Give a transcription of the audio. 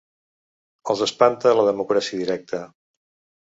Els espanta la democràcia directa.